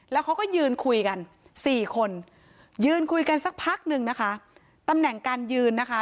แล้วเขาก็ยืนคุยกันสี่คนยืนคุยกันสักพักหนึ่งนะคะตำแหน่งการยืนนะคะ